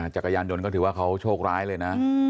จักรยานยนต์ก็ถือว่าเขาโชคร้ายเลยนะ